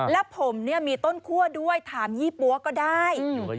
แล้วผมมีต้นคั่วด้วยถามยี่ปั๊วก็ได้